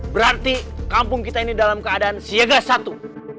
berarti kampung kita ini dalam keadaan siaga satu